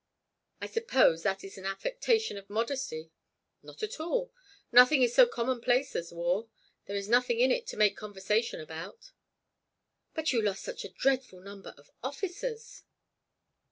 "I suppose that is an affectation of modesty." "Not at all. Nothing is so commonplace as war. There is nothing in it to make conversation about." "But you lost such a dreadful number of officers!"